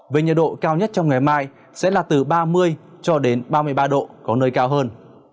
về nhiệt độ cao nhất trong ngày mai sẽ là từ ba mươi cho đến ba mươi ba độ có nơi cao hơn